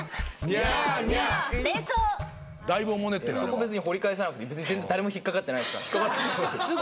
そこ別に掘り返さなくて誰も引っ掛かってないですから。